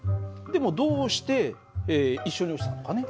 でもどうして一緒に落ちたのかね？